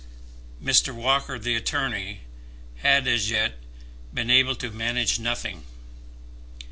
Mr. Walker, the attorney, had as yet been able to manage nothing.